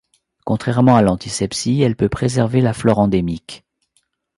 Contrairement à l'antisepsie, elle peut préserver la flore endémique.